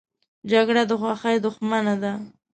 جګړه د خوښۍ دښمنه ده